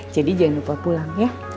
jadi jangan lupa pulang ya